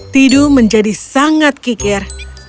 tidu menjadi sangat kiker